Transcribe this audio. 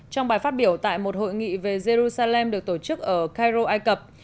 trong bài phát biểu tại một hội nghị về jerusalem được tổ chức ở cairo ai cập